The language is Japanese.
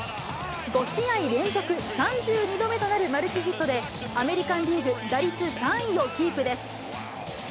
５試合連続、３２度目となるマルチヒットで、アメリカンリーグ打率３位をキープです。